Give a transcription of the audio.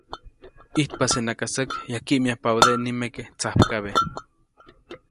ʼIjtpasenaka säk, yajkkiʼmyajpabädeʼe nimeke tsajpkabe.